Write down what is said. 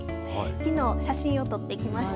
きのう、写真を撮ってきました。